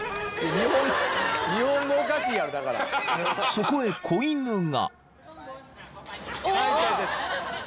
［そこへ小犬が］